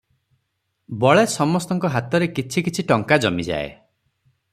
ବଳେ ସମସ୍ତଙ୍କ ହାତରେ କିଛି କିଛି ଟଙ୍କା ଜମିଯାଏ ।